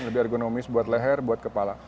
lebih argonomis buat leher buat kepala